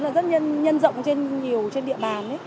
rất nhân rộng trên nhiều địa bàn